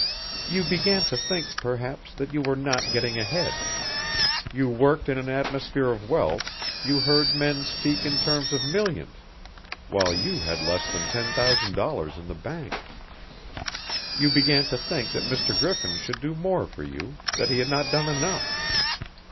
"You began to think, perhaps, that you were not getting ahead. You worked in an atmosphere of wealth, you heard men speak in terms of millions, while you had less than ten thousand dollars in the bank. You began to think that Mr. Griffin should do more for you, that he had not done enough.